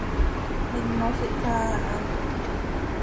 Minol ihsaa aha.